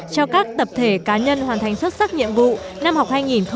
cho các tập thể cá nhân hoàn thành xuất sắc nhiệm vụ năm học hai nghìn một mươi bảy hai nghìn một mươi tám